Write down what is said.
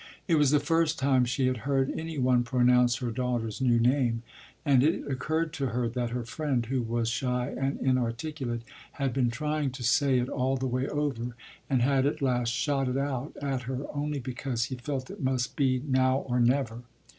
It was the first time she had heard any one pronounce her daughter’s new name, and it occurred to her that her friend, who was shy and inarticulate, had been trying to say it all the way over and had at last shot it out at her only because he felt it must be now or never.